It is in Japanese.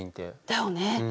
だよね。